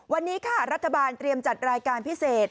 วันนี้ค่ะรัฐบาลเตรียมจัดรายการพิเศษ